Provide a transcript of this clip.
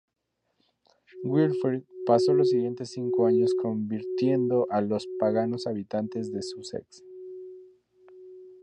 Wilfrid pasó los siguientes cinco años convirtiendo a los paganos habitantes de Sussex.